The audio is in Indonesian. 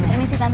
ini sih tante